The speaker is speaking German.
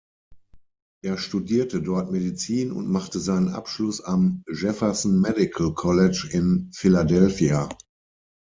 Er studierte dort Medizin und machte seinen Abschluss am "Jefferson Medical College" in Philadelphia.